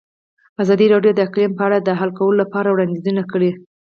ازادي راډیو د اقلیم په اړه د حل کولو لپاره وړاندیزونه کړي.